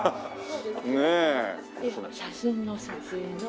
写真の撮影の。